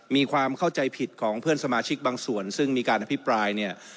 มีความเข้าใจผิดของเพื่อนสมาชิกบางส่วนซึ่งมีการอภิปรายเนี่ย